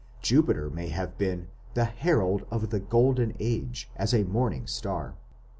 Jupiter may have been the herald of the "Golden Age" as a morning star.